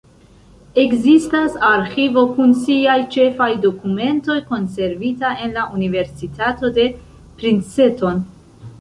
Ekzistas arĥivo kun siaj ĉefaj dokumentoj konservita en la Universitato de Princeton.